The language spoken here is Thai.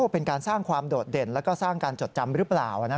เป็นการสร้างความโดดเด่นแล้วก็สร้างการจดจำหรือเปล่า